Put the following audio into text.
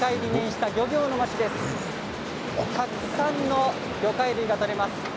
たくさんの魚介類が取れます。